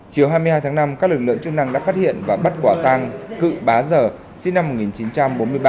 chiều hai mươi hai tháng năm các lực lượng chức năng đã phát hiện và bắt quả tang cự bá giờ sinh năm một nghìn chín trăm bốn mươi ba